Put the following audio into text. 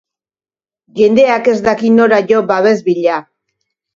Jendeak ez daki nora jo babes bila.